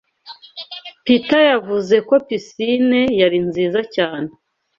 Peter yavuze ko pisine yari nziza cyane.